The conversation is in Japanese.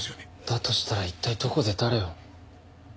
だとしたら一体どこで誰を。